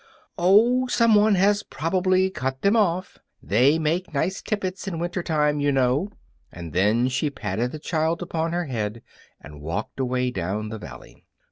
"Oh, some one has probably cut them off. They make nice tippets in winter time, you know;" and then she patted the child upon her head and walked away down the valley.